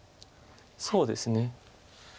そうですね。